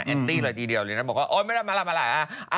แอนตี้เลยทีเดียวเลยนะบอกว่าโอ้ยไม่ได้มาล่ะมาล่ะมาล่ะ